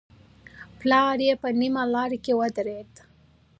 پلار يې په نيمه لاره کې ودرېد.